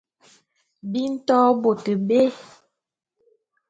Bi nto bôt bé.